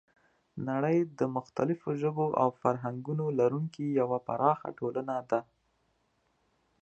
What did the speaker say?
نړۍ د مختلفو ژبو او فرهنګونو لرونکی یوه پراخه ټولنه ده.